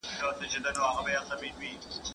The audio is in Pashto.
څوک د قوانینو د جوړولو او تصویب مسوولیت لري؟